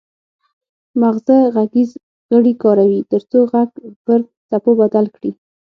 مغزه غږیز غړي کاروي ترڅو غږ پر څپو بدل کړي